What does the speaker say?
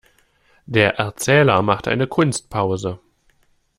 Der Erzähler machte eine Kunstpause.